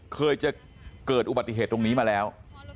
เคยจะเกิดอุบัติเหตุตรงนี้มาแล้ว